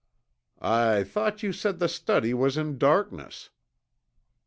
"I thought you said the study was in darkness?"